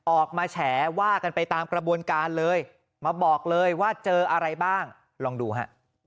แฉว่ากันไปตามกระบวนการเลยมาบอกเลยว่าเจออะไรบ้างลองดูฮะ